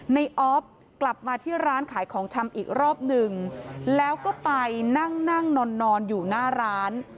ออฟกลับมาที่ร้านขายของชำอีกรอบหนึ่งแล้วก็ไปนั่งนั่งนอนอยู่หน้าร้าน